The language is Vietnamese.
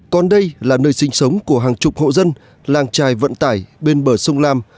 còn đây là nơi sinh sống của hàng chục hộ dân làng trài vận tải bên bờ sông lam